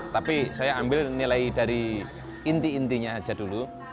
tapi saya ambil nilai dari inti intinya aja dulu